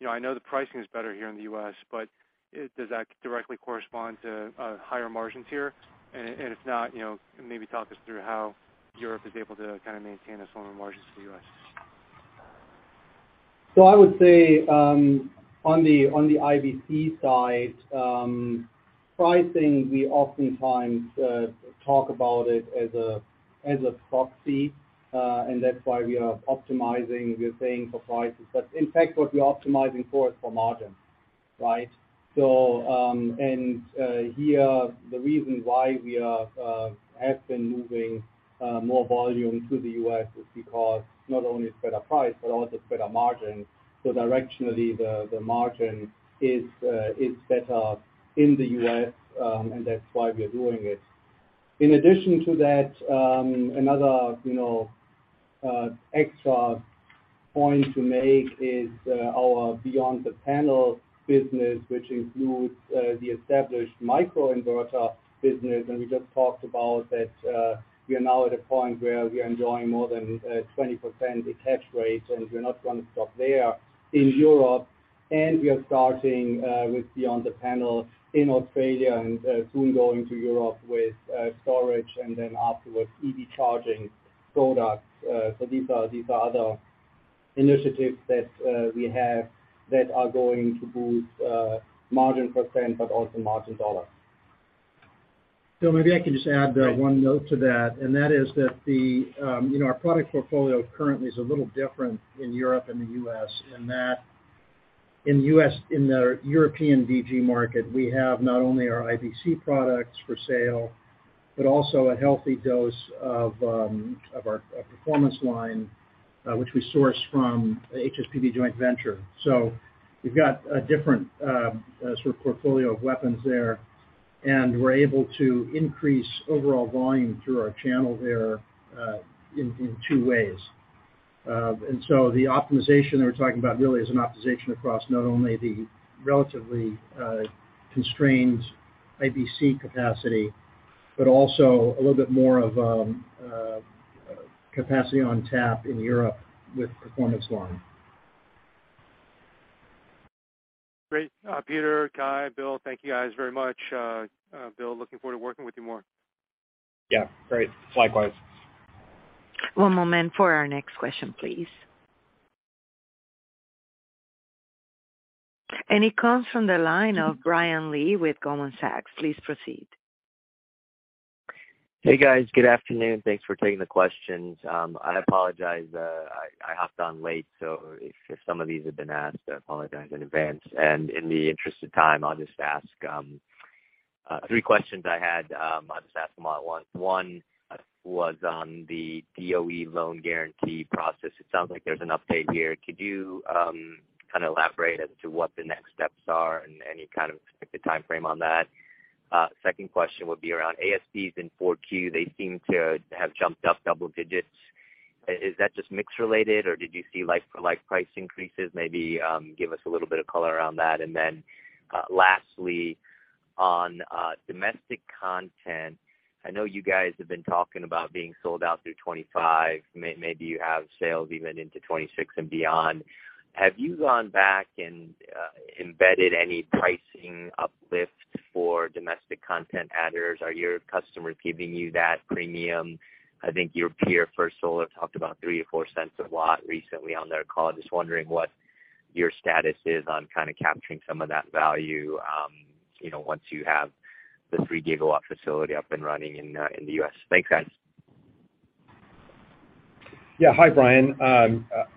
I know the pricing is better here in the U.S., but does that directly correspond to higher margins here? If not, maybe talk us through how Europe is able to kind of maintain a stronger margins to the U.S. I would say, on the IBC side, pricing, we oftentimes talk about it as a proxy, and that's why we are optimizing, we're paying for prices. In fact, what we're optimizing for is for margin, right? Here, the reason why we are have been moving more volume to the U.S. is because not only it's better price, but also it's better margin. Directionally, the margin is better in the U.S., and that's why we are doing it. In addition to that, another, you know, extra point to make is our Beyond the Panel business, which includes the established microinverter business. We just talked about that, we are now at a point where we are enjoying more than 20% attach rates, and we're not gonna stop there in Europe. We are starting with Beyond the Panel in Australia and soon going to Europe with storage and then afterwards EV charging products. These are other initiatives that we have that are going to boost margin percent, but also margin dollar. Maybe I can just add one note to that, and that is that the, you know, our product portfolio currently is a little different in Europe and the U.S., in that in the U.S., in the European DG market, we have not only our IBC products for sale, but also a healthy dose of our Performance Line, which we source from HSPV joint venture. We've got a different sort of portfolio of weapons there, and we're able to increase overall volume through our channel there, in two ways. The optimization that we're talking about really is an optimization across not only the relatively constrained IBC capacity, but also a little bit more of capacity on tap in Europe with Performance Line. Great. Peter, Kai, Bill, thank you guys very much. Bill, looking forward to working with you more. Yeah. Great. Likewise. One moment for our next question, please. It comes from the line of Brian Lee with Goldman Sachs. Please proceed. Hey, guys. Good afternoon. Thanks for taking the questions. I apologize, I hopped on late, so if some of these have been asked, I apologize in advance. In the interest of time, I'll just ask three questions I had, I'll just ask them all at once. One was on the DOE loan guarantee process. It sounds like there's an update here. Could you kind of elaborate as to what the next steps are and any kind of expected timeframe on that? Second question would be around ASPs in four Q. They seem to have jumped up double digits. Is that just mix related, or did you see like-for-like price increases? Maybe give us a little bit of color around that. Then, lastly, on domestic content, I know you guys have been talking about being sold out through 2025. Maybe you have sales even into 2026 and beyond. Have you gone back and embedded any pricing uplift for domestic content adders? Are your customers giving you that premium? I think your peer, First Solar, talked about $0.03-$0.04 a watt recently on their call. Just wondering what your status is on kind of capturing some of that value, you know, once you have the 3 GW facility up and running in the U.S. Thanks, guys. Yeah. Hi, Brian.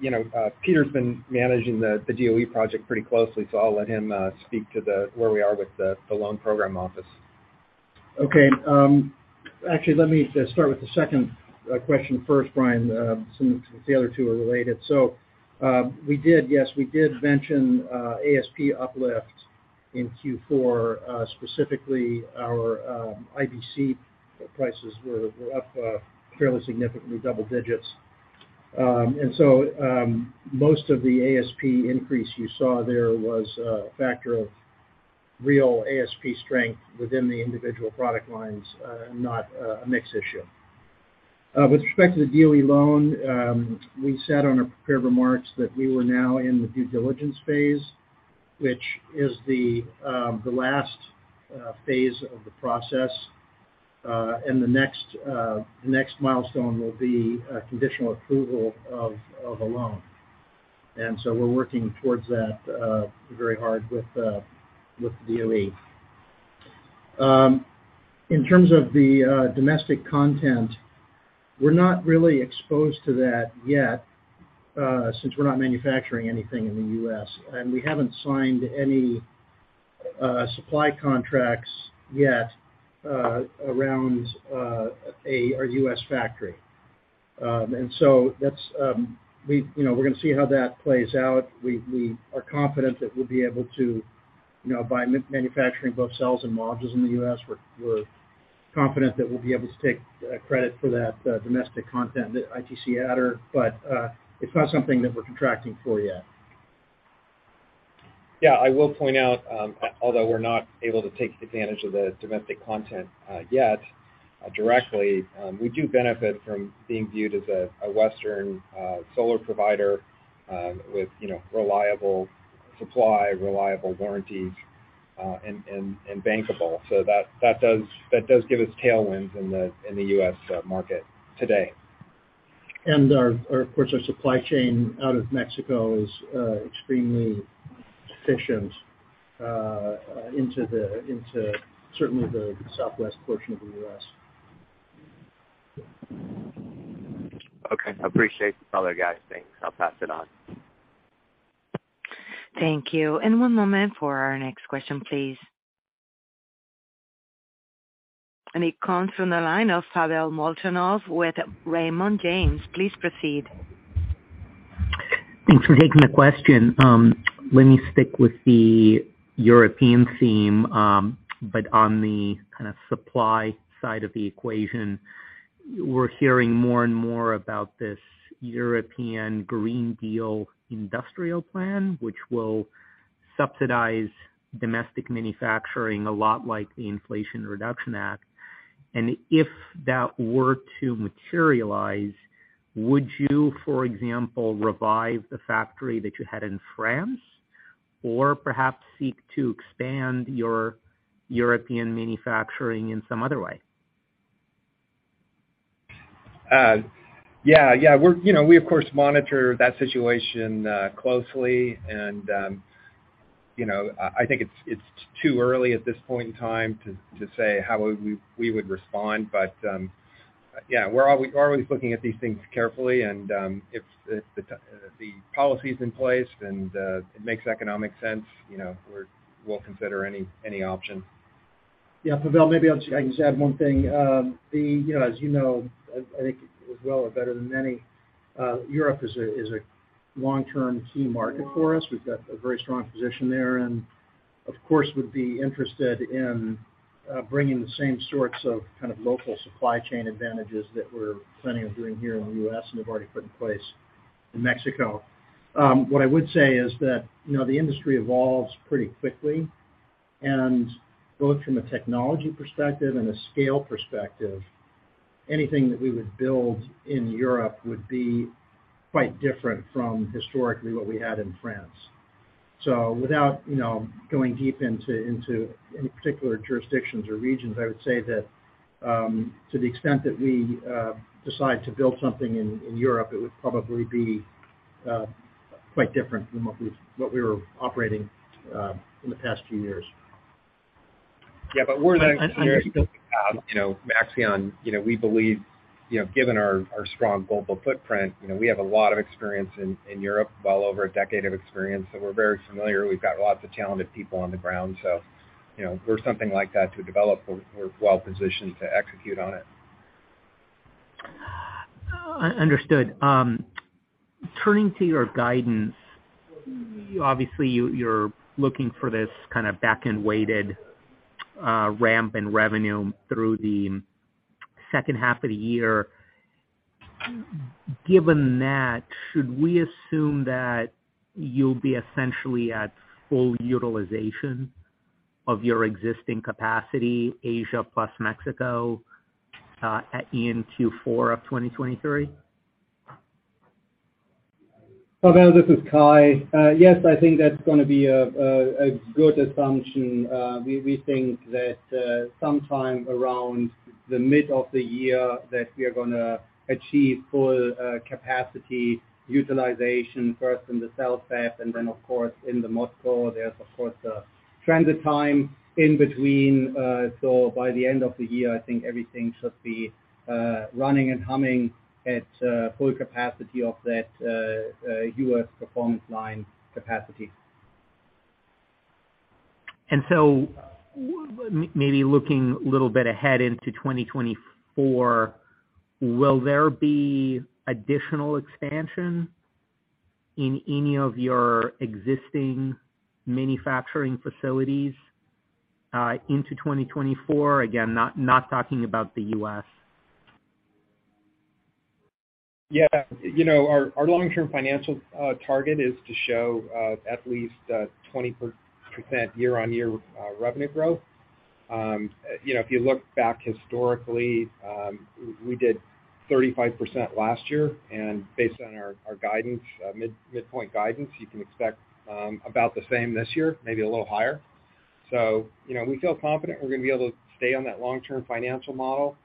you know, Peter's been managing the DOE project pretty closely. I'll let him speak to the, where we are with the Loan Programs Office. Okay. Actually, let me start with the second question first, Brian, since the other two are related. We did, yes, we did mention ASP uplift in Q4, specifically our IBC prices were up fairly significantly double digits. Most of the ASP increase you saw there was a factor of real ASP strength within the individual product lines, not a mix issue. With respect to the DOE loan, we said on our prepared remarks that we were now in the due diligence phase, which is the last phase of the process. The next milestone will be conditional approval of a loan. We're working towards that very hard with the DOE. In terms of the domestic content, we're not really exposed to that yet, since we're not manufacturing anything in the U.S., and we haven't signed any supply contracts yet around our U.S. factory. You know, we're gonna see how that plays out. We are confident that we'll be able to, you know, by manufacturing both cells and modules in the U.S., we're confident that we'll be able to take credit for that domestic content, the ITC adder. It's not something that we're contracting for yet. Yeah, I will point out, although we're not able to take advantage of the domestic content, yet, directly, we do benefit from being viewed as a Western solar provider, with, you know, reliable supply, reliable warranties, and bankable. That does give us tailwinds in the U.S. market today. Our, of course, our supply chain out of Mexico is extremely efficient, into certainly the Southwest portion of the U.S. Okay. Appreciate it, fellas guys. Thanks. I'll pass it on. Thank you. One moment for our next question, please. It comes from the line of Pavel Molchanov with Raymond James. Please proceed. Thanks for taking the question. Let me stick with the European theme, but on the kind of supply side of the equation. We're hearing more and more about this European Green Deal industrial plan, which will subsidize domestic manufacturing a lot like the Inflation Reduction Act. If that were to materialize, would you, for example, revive the factory that you had in France or perhaps seek to expand your European manufacturing in some other way? Yeah. We're, you know, we, of course, monitor that situation closely, and, you know, I think it's too early at this point in time to say how we would respond. Yeah, we're always looking at these things carefully, and if the policy's in place and it makes economic sense, you know, we'll consider any option. Yeah. Pavel, maybe I'll I can just add one thing. You know, as you know, I think as well or better than any, Europe is a long-term key market for us. We've got a very strong position there, and of course, would be interested in bringing the same sorts of kind of local supply chain advantages that we're planning on doing here in the U.S. and have already put in place in Mexico. What I would say is that, you know, the industry evolves pretty quickly, and both from a technology perspective and a scale perspective, anything that we would build in Europe would be quite different from historically what we had in France. Without, you know, going deep into any particular jurisdictions or regions, I would say that, to the extent that we decide to build something in Europe, it would probably be quite different than what we were operating in the past few years. We're the engineers you know, Maxeon, you know, we believe, you know, given our strong global footprint, you know, we have a lot of experience in Europe, well over a decade of experience, so we're very familiar. We've got lots of talented people on the ground. If there's something like that to develop, we're well positioned to execute on it. Understood. Turning to your guidance, obviously you're looking for this kind of back-end-weighted ramp in revenue through the second half of the year. Given that, should we assume that you'll be essentially at full utilization of your existing capacity, Asia plus Mexico, in Q4 of 2023? Pavel, this is Kai. Yes, I think that's gonna be a good assumption. We think that sometime around the mid of the year that we are gonna achieve full capacity utilization, first in the cell fab, and then of course, in the module. There's of course, a transit time in between. By the end of the year, I think everything should be running and humming at full capacity of that U.S. Performance Line capacity. Maybe looking a little bit ahead into 2024, will there be additional expansion in any of your existing manufacturing facilities, into 2024? Again, not talking about the U.S. You know, our long-term financial target is to show at least 20% year-on-year revenue growth. You know, if you look back historically, we did 35% last year, and based on our midpoint guidance, you can expect about the same this year, maybe a little higher. You know, we feel confident we're gonna be able to stay on that long-term financial model.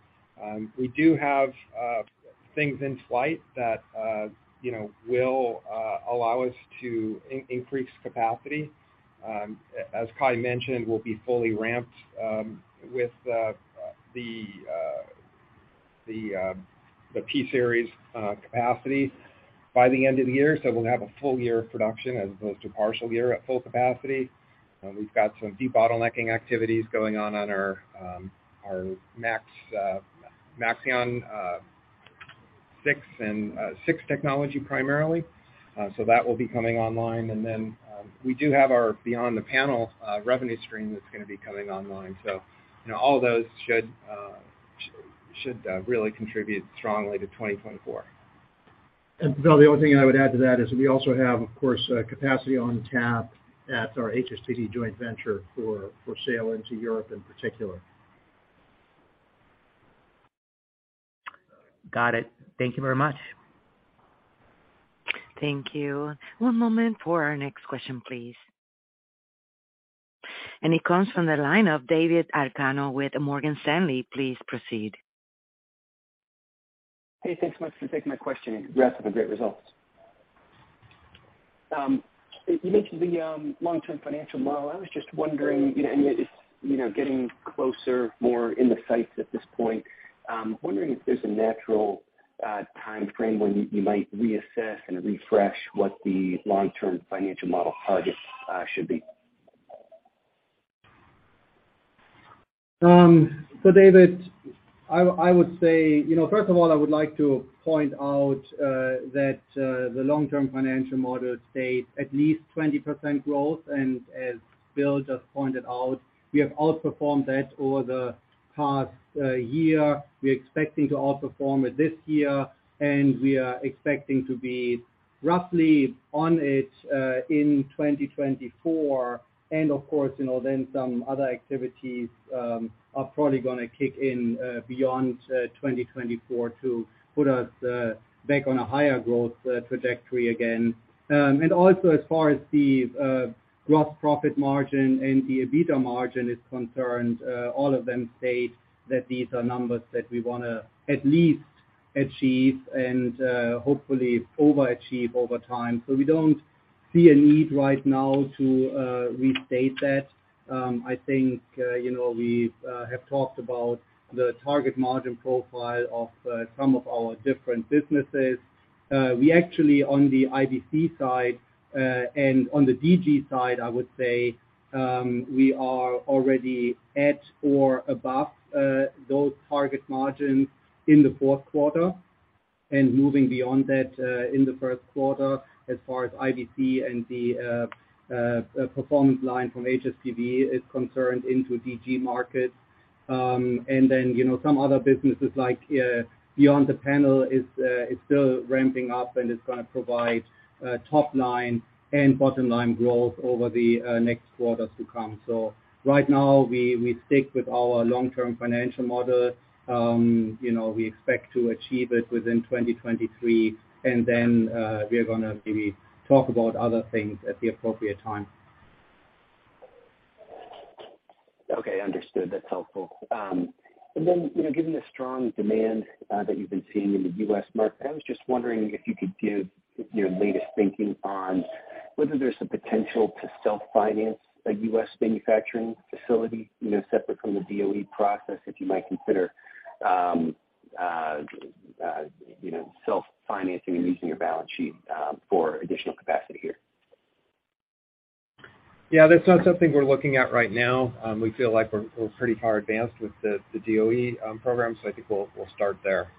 We do have things in flight that, you know, will allow us to increase capacity. As Kai mentioned, we'll be fully ramped with the P-Series capacity by the end of the year, so we'll have a full year of production as opposed to partial year at full capacity. We've got some debottlenecking activities going on on our Maxeon 6 technology primarily. That will be coming online. We do have our Beyond the Panel revenue stream that's gonna be coming online. You know, all those should really contribute strongly to 2024. Bill, the only thing I would add to that is we also have, of course, a capacity on tap at our HSPV joint venture for sale into Europe in particular. Got it. Thank you very much. Thank you. One moment for our next question, please. It comes from the line of David Arcaro with Morgan Stanley. Please proceed. Hey, thanks so much for taking my question, and congrats on the great results. You mentioned the long-term financial model. I was just wondering, you know, and it's, you know, getting closer more in the sights at this point, wondering if there's a natural timeframe when you might reassess and refresh what the long-term financial model target should be. David Arcaro, I would say, you know, first of all, I would like to point out that the long-term financial model states at least 20% growth. As Bill just pointed out, we have outperformed that over the past year. We're expecting to outperform it this year, and we are expecting to be roughly on it in 2024. Some other activities are probably gonna kick in beyond 2024 to put us back on a higher growth trajectory again. As far as the gross profit margin and the EBITDA margin is concerned, all of them state that these are numbers that we wanna at least achieve and hopefully overachieve over time. We don't see a need right now to restate that. I think, you know, we've talked about the target margin profile of some of our different businesses. We actually, on the IBC side, and on the DG side, I would say, we are already at or above those target margins in the fourth quarter, and moving beyond that, in the first quarter as far as IBC and the Performance Line from HSPV is concerned into DG markets. You know, some other businesses like Beyond the Panel is still ramping up, and it's gonna provide top line and bottom line growth over the next quarters to come. Right now we stick with our long-term financial model. You know, we expect to achieve it within 2023, and then, we are gonna maybe talk about other things at the appropriate time. Okay. Understood. That's helpful. you know, given the strong demand that you've been seeing in the U.S. market, I was just wondering if you could give your latest thinking on whether there's some potential to self-finance a U.S. manufacturing facility, you know, separate from the DOE process, if you might consider, you know, self-financing and using your balance sheet for additional capacity here. Yeah. That's not something we're looking at right now. We feel like we're pretty far advanced with the DOE program. I think we'll start there.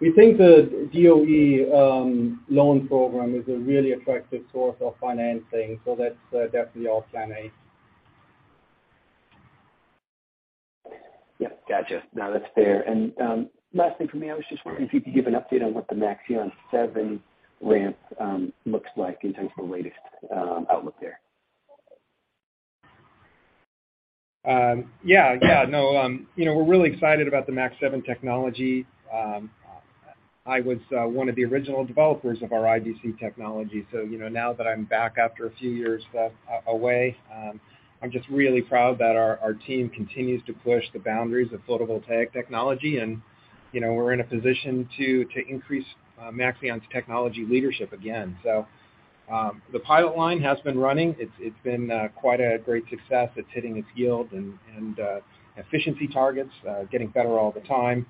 We think the DOE, loan program is a really attractive source of financing, so that's definitely our plan A. Yeah. Gotcha. No, that's fair. Last thing for me, I was just wondering if you could give an update on what the Maxeon 7 ramp looks like in terms of the latest outlook there. Yeah, no, you know, we're really excited about the Maxeon 7 technology. I was one of the original developers of our IBC technology. You know, now that I'm back after a few years away, I'm just really proud that our team continues to push the boundaries of photovoltaic technology and, you know, we're in a position to increase Maxeon's technology leadership again. The pilot line has been running. It's been quite a great success. It's hitting its yield and efficiency targets, getting better all the time.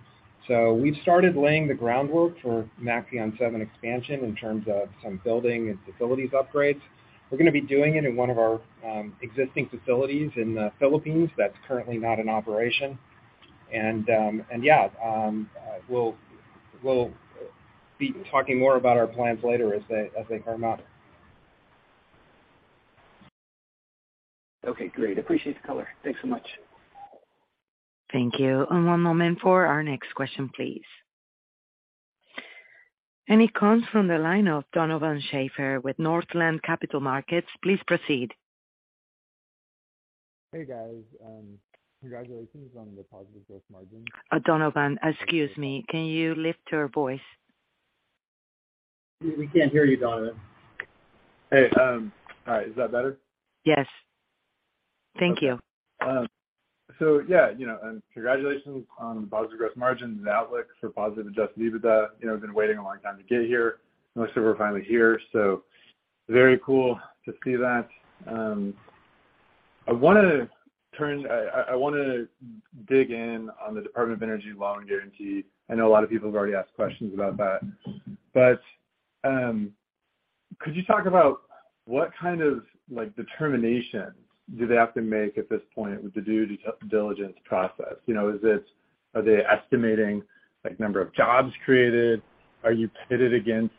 We've started laying the groundwork for Maxeon 7 expansion in terms of some building and facilities upgrades. We're gonna be doing it in one of our existing facilities in the Philippines that's currently not in operation. Yeah, we'll be talking more about our plans later as they come out. Okay, great. Appreciate the color. Thanks so much. Thank you. One moment for our next question, please. It comes from the line of Donovan Schafer with Northland Capital Markets. Please proceed. Hey, guys. Congratulations on the positive gross margin. Donovan, excuse me. Can you lift your voice? We can't hear you, Donovan. Hey, all right. Is that better? Yes. Thank you. Yeah, you know, congratulations on positive gross margin and outlook for positive adjusted EBITDA. You know, been waiting a long time to get here. Most of we're finally here, very cool to see that. I wanna dig in on the Department of Energy loan guarantee. I know a lot of people have already asked questions about that. Could you talk about what kind of, like, determinations do they have to make at this point with the due diligence process? You know, are they estimating, like, number of jobs created? Are you pitted against,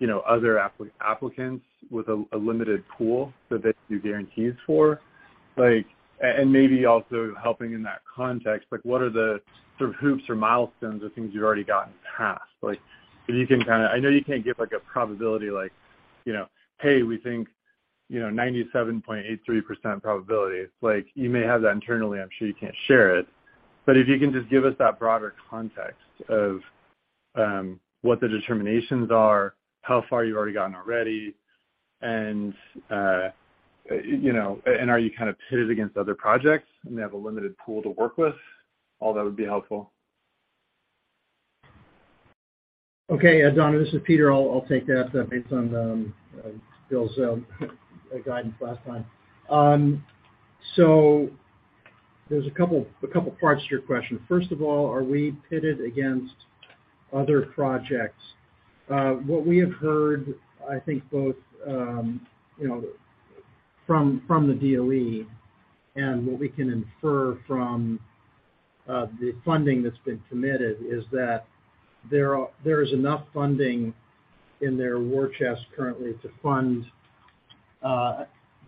you know, other applicants with a limited pool that they do guarantees for? And maybe also helping in that context, like, what are the sort of hoops or milestones or things you've already gotten passed? If you can kinda... I know you can't give, like a probability, like, you know, "Hey, we think, you know, 97.83% probability." Like, you may have that internally, I'm sure you can't share it. If you can just give us that broader context of what the determinations are, how far you've already gotten already, and, you know, are you kind of pitted against other projects, and they have a limited pool to work with? All that would be helpful. Okay. Donovan, this is Peter. I'll take that based on Bill's guidance last time. There's a couple parts to your question. First of all, are we pitted against other projects? What we have heard, I think both, you know, from the DOE and what we can infer from the funding that's been committed is that there is enough funding in their war chest currently to fund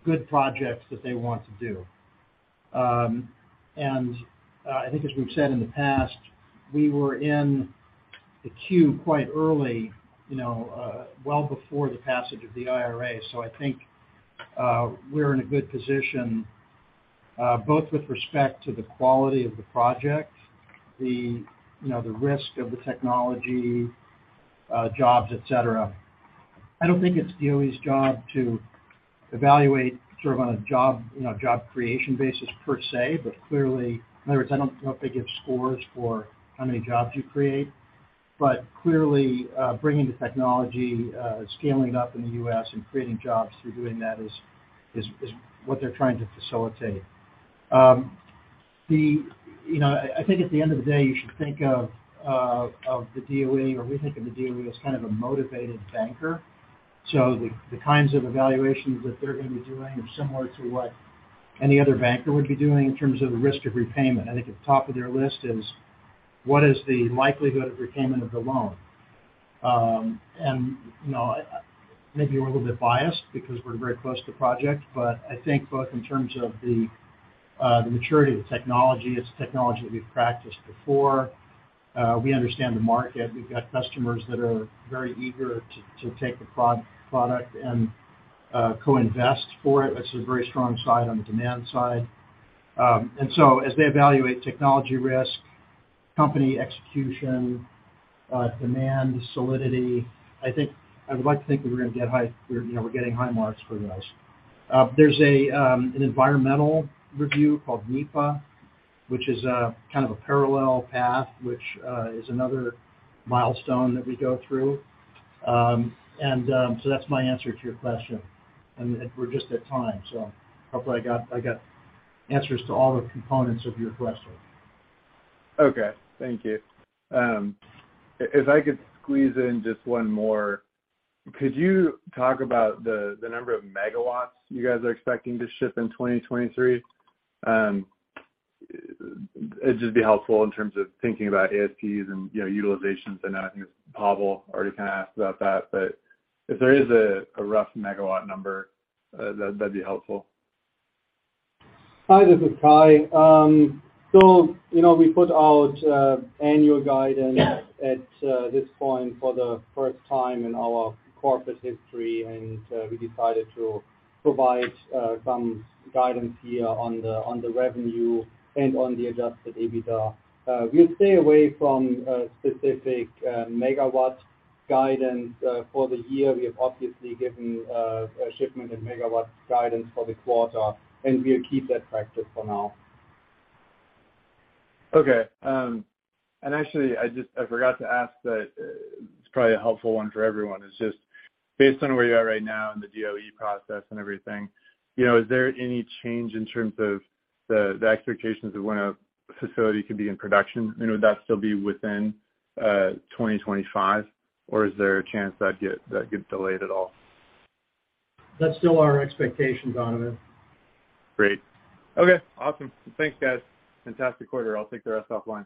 good projects that they want to do. I think as we've said in the past, we were in the queue quite early, you know, well before the passage of the IRA. I think we're in a good position both with respect to the quality of the project, the, you know, the risk of the technology, jobs, et cetera. I don't think it's DOE's job to evaluate sort of on a job, you know, job creation basis per se, but clearly. In other words, I don't know if they give scores for how many jobs you create. Clearly, bringing the technology, scaling it up in the U.S. and creating jobs through doing that is what they're trying to facilitate. You know, I think at the end of the day, you should think of the DOE, or we think of the DOE as kind of a motivated banker. The kinds of evaluations that they're gonna be doing are similar to what any other banker would be doing in terms of the risk of repayment. I think at the top of their list is: What is the likelihood of repayment of the loan? You know, maybe we're a little bit biased because we're very close to project, but I think both in terms of the maturity of the technology, it's technology that we've practiced before. We understand the market. We've got customers that are very eager to take the product and co-invest for it, which is a very strong side on the demand side. As they evaluate technology risk, company execution, demand solidity, I would like to think that we're gonna get high marks for those. There's an environmental review called NEPA, which is kind of a parallel path, which is another milestone that we go through. That's my answer to your question. We're just at time, hopefully I got answers to all the components of your question. Okay. Thank you. If I could squeeze in just one more? Could you talk about the number of megawatts you guys are expecting to ship in 2023? It'd just be helpful in terms of thinking about ASPs and, you know, utilizations. I know I think Pavel already kinda asked about that. If there is a rough megawatt number, that'd be helpful. Hi, this is Kai. You know, we put out annual guidance at this point for the first time in our corporate history, and we decided to provide some guidance here on the revenue and on the adjusted EBITDA. We stay away from specific megawatt guidance for the year. We have obviously given a shipment in megawatts guidance for the quarter, and we'll keep that practice for now. Okay. actually, I forgot to ask, but it's probably a helpful one for everyone. It's just based on where you're at right now in the DOE process and everything, you know, is there any change in terms of the expectations of when a facility could be in production? You know, would that still be within 2025 or is there a chance that'd get delayed at all? That's still our expectation, Donovan. Great. Okay, awesome. Thanks, guys. Fantastic quarter. I'll take the rest offline.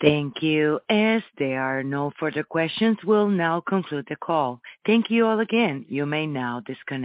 Thank you. As there are no further questions, we'll now conclude the call. Thank you all again. You may now disconnect.